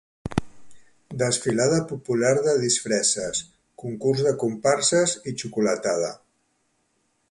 Desfilada popular de disfresses, concurs de comparses i xocolatada.